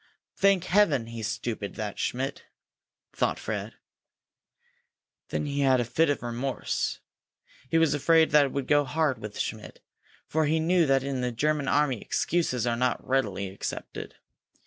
"Thank heaven he's stupid, that Schmidt!" thought Fred. Then he had a fit of remorse. He was afraid that it would go hard with Schmidt, for he knew that in the German army excuses are not readily accepted.